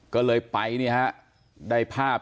ก็เลยไปได้ภาพ